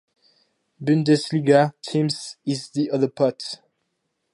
Bundesliga teams in the other pot.